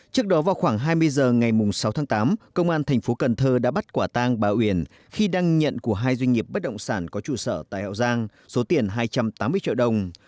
trước đó vào khoảng hai mươi h ngày sáu tháng tám công an tp cn đã bắt quả tang bà uyển khi đăng nhận của hai doanh nghiệp bất động sản có trụ sở tại hậu giang số tiền hai trăm tám mươi triệu đồng